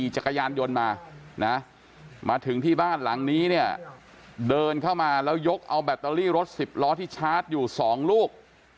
จักรยานยนต์มานะมาถึงที่บ้านหลังนี้เนี่ยเดินเข้ามาแล้วยกเอาแบตเตอรี่รถสิบล้อที่ชาร์จอยู่๒ลูก